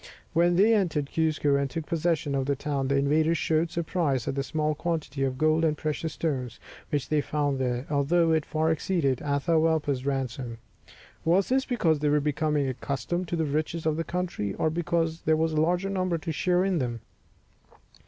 When they entered Cuzco, and took possession of the town, the invaders showed surprise at the small quantity of gold and precious stones which they found there, although it far exceeded Atahualpa's ransom. Was this because they were becoming accustomed to the riches of the country, or because there was a larger number to share in them?